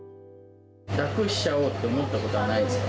楽しちゃおうって思ったことはないんですか？